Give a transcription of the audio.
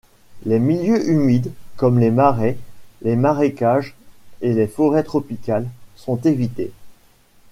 Les milieux humides, comme les marais, les marécages et les forêts tropicales, sont évités.